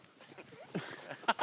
ハハハハ！